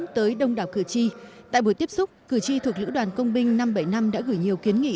tới đông đảo cử tri tại buổi tiếp xúc cử tri thuộc lữ đoàn công binh năm trăm bảy mươi năm đã gửi nhiều kiến nghị